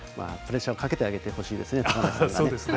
プレッシャーをかけてあげてほしいですね高梨さんが。